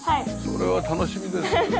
それは楽しみです。